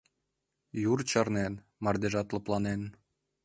Йӱр чарнен, мардежат лыпланен.